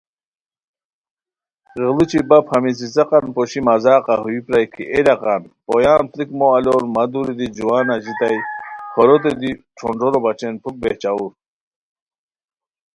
غیڑوچی بپ ہمی څیڅیقان پوشی مذاقہ ہوئی پرائے کی اے ڈقان پویان پڑیک مو الور مہ دُوری دی جوان اژیتائے ہوروتے دی ݯھونݮورو بچین پُھک بہچاور